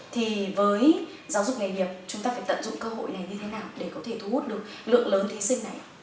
thì với giáo dục nghề nghiệp chúng ta phải tận dụng cơ hội này như thế nào để có thể thu hút được lượng lớn thí sinh này